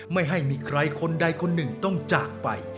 ไม่ให้มีใครคนใดคนหนึ่งต้องจากไป